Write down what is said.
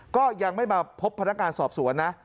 ก็ยังไม่มาพบพนักงานสอบสวนนะ